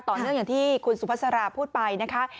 ต่อเรื่องอย่างที่คุณสุภาษาราพูดไปนะคะ